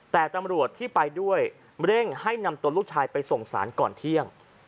แต่ตำรวจที่ไปด้วยเร่งให้นำตัวลูกชายไปส่งสารก่อนเที่ยง